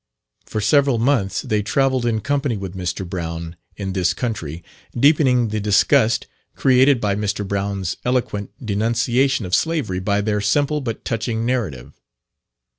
For several months they travelled in company with Mr. Brown in this country, deepening the disgust created by Mr. Brown's eloquent denunciation of slavery by their simple but touching narrative.